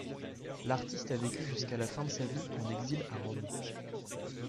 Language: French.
L'artiste a vécu jusqu'à la fin de sa vie en exil à Rome.